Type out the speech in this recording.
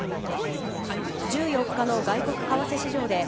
１４日の外国為替市場で、